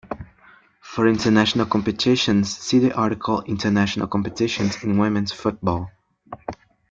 For international competitions see the article "International competitions in women's football".